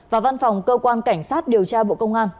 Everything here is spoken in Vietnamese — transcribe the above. và văn phòng cơ quan cảnh sát điều tra bộ công an